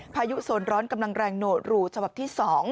พายุโซนร้อนกำลังแรงโหนดรูฉบับที่๒